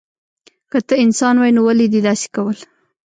که ته انسان وای نو ولی دی داسی کول